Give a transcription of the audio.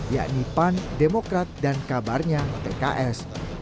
yakni pan demokrat dan kabarnya pks